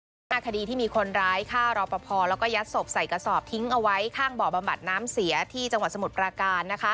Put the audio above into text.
รับผลคดีที่มีคนร้ายฆ่ารอปภและยัดสบใส่กระศอบทิ้งอาว้างบ่อบาปน้ำเสียที่จสมุดประการ